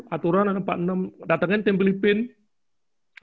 aturan empat puluh enam datangin tim filipina